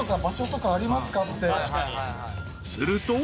［すると］